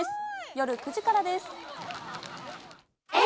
夜９時からです。